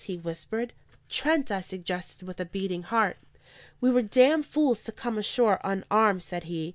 he whispered. "Trent," I suggested, with a beating heart. "We were damned fools to come ashore unarmed," said he.